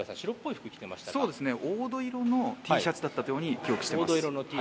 黄土色のＴシャツだったと記憶しています。